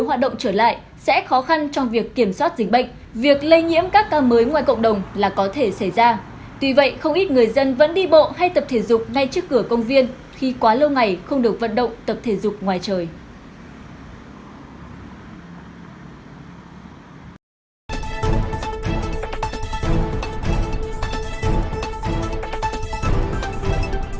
hãy đăng ký kênh để ủng hộ kênh của chúng mình nhé